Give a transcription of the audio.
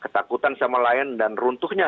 ketakutan sama lain dan runtuhnya